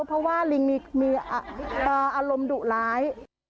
เพราะว่าลิงมีอารมณ์ดุร้าย